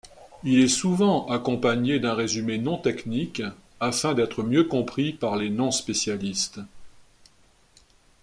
Il est souvent accompagné d'un résumé non-technique afin d'être mieux compris par les non-spécialistes.